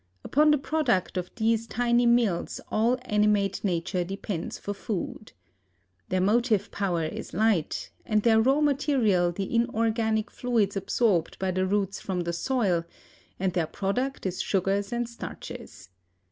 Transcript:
Upon the product of these tiny mills all animate nature depends for food. Their motive power is light, and their raw material the inorganic fluids absorbed by the roots from the soil, and their product is sugars and starches.